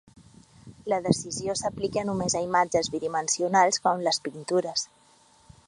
La decisió s'aplica només a imatges bidimensionals com les pintures.